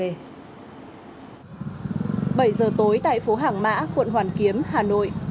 bảy giờ tối tại phố hàng mã quận hoàn kiếm hà nội